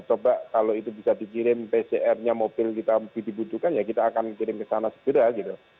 coba kalau itu bisa dikirim pcr nya mobil kita dibutuhkan ya kita akan kirim ke sana segera gitu